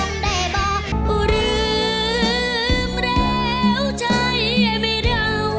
ขอเป็นพระเอกให้หัวใจเธอ